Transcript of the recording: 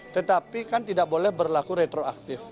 tetapi kan tidak boleh berlaku retroaktif